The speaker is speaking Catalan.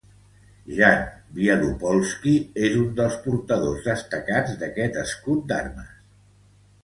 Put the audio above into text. Jan Wielopolski és un dels portadors destacats d'aquest escut d'armes.